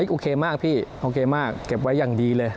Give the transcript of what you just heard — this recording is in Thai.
โอเคมากพี่โอเคมากเก็บไว้อย่างดีเลย